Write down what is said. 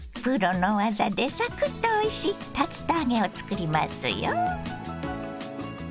プロの技でサクッとおいしい竜田揚げを作りますよ。